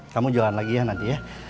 kamu jualan lagi ya nanti ya